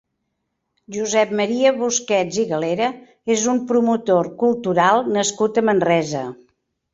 Josep Maria Busquets i Galera és un promotor cultural nascut a Manresa.